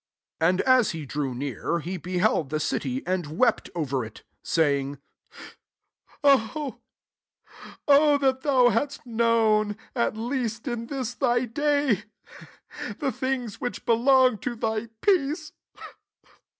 j 41 And as he drew near, he ; beheld the city, and wept over it, j 42 saying, " O that thou hadst I known, at least in this [thy] 1 day, the things which belong to thy peace